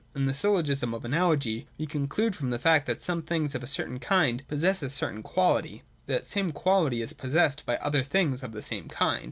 In the syllogism of Analogy we conclude from the fact that some things of a certain kind possess a certain quality, that the same quaUty is possessed by other things of the same kind.